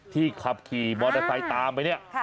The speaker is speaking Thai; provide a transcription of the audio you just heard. ที่ขับขี่บอเดอร์ไทยตามไปนี่